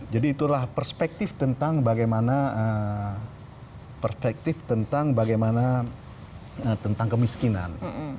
itulah perspektif tentang bagaimana perspektif tentang bagaimana tentang kemiskinan